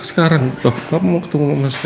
sekarang papa mau ketemu mama